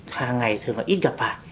hàng ngày thường là ít gặp phải